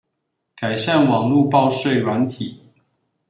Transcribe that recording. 改善網路報稅軟體